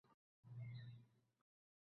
Xayriyat odam bo‘lib tug‘ilmagansan